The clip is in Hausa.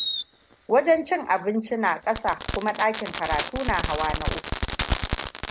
Wajen cin abinci na kasa kuma dakin karatu na hawa na uku.